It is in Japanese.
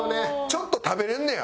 ちょっと食べれんねや？